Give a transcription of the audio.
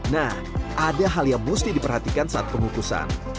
nah ada hal yang mesti diperhatikan saat pengukusan